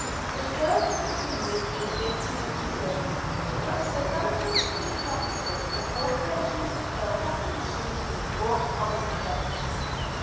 The dearth continued in 1586, but the Government rejected the Corporation's appeal for permission to import foreign grain.